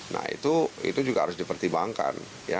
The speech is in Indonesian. nah itu juga harus dipertimbangkan